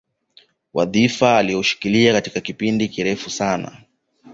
Wadhifa alioushikilia kwa kipindi kirefu sana